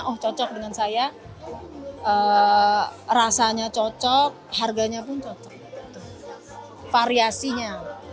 oh cocok dengan saya rasanya cocok harganya pun cocok variasinya